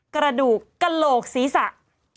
กรมป้องกันแล้วก็บรรเทาสาธารณภัยนะคะ